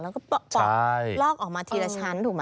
แล้วก็ปอกลอกออกมาทีละชั้นถูกไหม